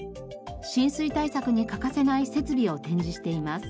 浸水対策に欠かせない設備を展示しています。